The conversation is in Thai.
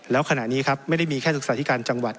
แล้วขณะนี้ครับไม่ได้มีแค่ศึกษาธิการจังหวัด